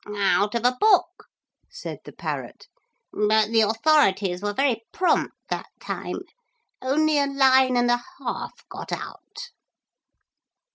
'Out of a book,' said the parrot; 'but the authorities were very prompt that time. Only a line and a half got out.